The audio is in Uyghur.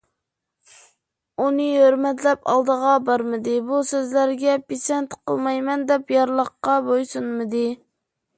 ئۇنى ھۆرمەتلەپ ئالدىغا بارمىدى، «بۇ سۆزلەرگە پىسەنت قىلمايمەن» دەپ يارلىققا بويسۇنمىدى.